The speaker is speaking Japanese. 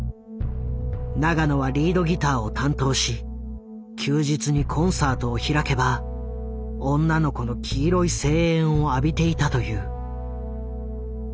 永野はリードギターを担当し休日にコンサートを開けば女の子の黄色い声援を浴びていたという。